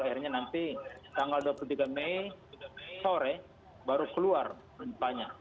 akhirnya nanti tanggal dua puluh tiga mei sore baru keluar gempanya